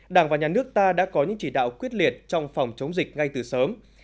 đảng và nhà nước ta đã có những chỉ đạo quyết liệt trong phòng chống dịch ngay từ sớm